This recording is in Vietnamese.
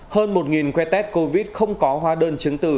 hơn một que test covid không có hóa đơn chứng từ